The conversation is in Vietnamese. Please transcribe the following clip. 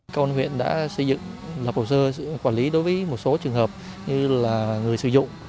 công an huyện đã xây dựng lập hồ sơ quản lý đối với một số trường hợp như là người sử dụng